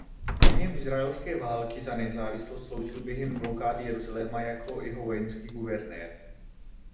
Během izraelské války za nezávislost sloužil během blokády Jeruzaléma jako jeho vojenský guvernér.